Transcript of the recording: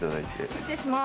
失礼します。